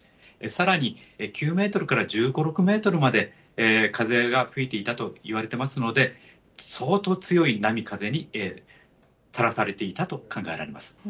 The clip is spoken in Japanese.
さらに、９メートルから１５、６メートルまで風が吹いていたといわれていますので、相当強い波風にさらされていたと考えられます。